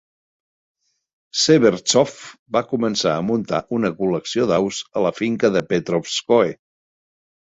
Severtzov va començar a muntar una col·lecció d'aus a la finca de Petrovskoe.